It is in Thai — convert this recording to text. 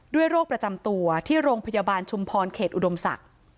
โรคประจำตัวที่โรงพยาบาลชุมพรเขตอุดมศักดิ์